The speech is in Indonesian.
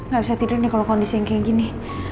gak bisa tidur nih kalau kondisi yang kayak gini